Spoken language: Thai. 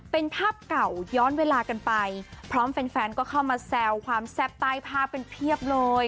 เป็นภาพเก่าย้อนเวลากันไปพร้อมแฟนก็เข้ามาแซวความแซ่บใต้ภาพกันเพียบเลย